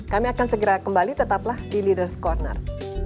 kami akan segera kembali tetaplah di leaders' corner